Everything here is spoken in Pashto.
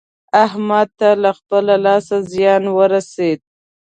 احمد ته له خپله لاسه زيان ورسېد.